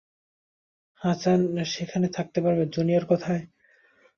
হাসান সেখানে থাকতে পারবে, জুনিয়র কোথায়?